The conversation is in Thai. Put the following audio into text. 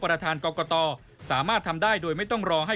ประธานกรกตสามารถทำได้โดยไม่ต้องรอให้